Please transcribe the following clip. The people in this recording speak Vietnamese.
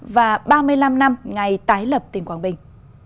và ba mươi năm năm ngày tái lập tỉnh quảng bình